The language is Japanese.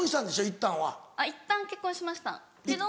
いったん結婚しましたけど。